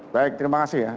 baik terima kasih ya